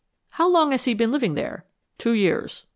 "How long has he been living there?" "Two years."